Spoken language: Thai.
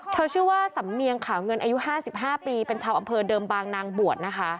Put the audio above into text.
ชื่อว่าสำเนียงขาวเงินอายุ๕๕ปีเป็นชาวอำเภอเดิมบางนางบวชนะคะ